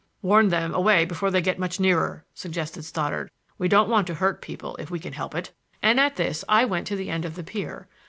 "Warn them away before they get much nearer," suggested Stoddard. "We don't want to hurt people if we can help it,"—and at this I went to the end of the pier.